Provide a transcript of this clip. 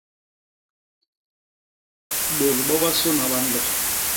Bôt bobasôna ba nlo.